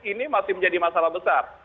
ini masih menjadi masalah besar